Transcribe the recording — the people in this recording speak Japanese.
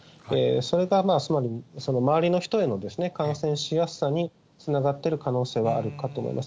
それがつまり、周りの人への感染しやすさにつながってる可能性はあるかと思います。